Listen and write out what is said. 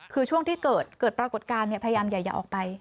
คือช่วงที่เกิดปรากฏการณ์พยายามอย่าออกไป